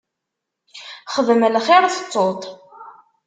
Xdem lxir, tettuḍ-t.